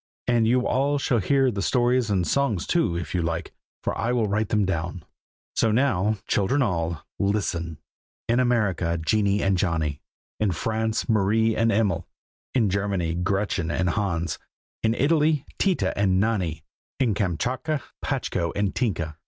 And you all shall hear the stories and songs too, if you like, for I will write them down. So now, children all, listen! in America, Jennie and Johnny; in France, Marie and Emil; in Germany, Gretchen and Hans; in Italy, Tita and Nanni; in Kamschatka, Patchko and Tinka.